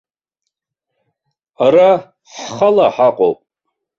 Ара ҳхала ҳаҟоуп.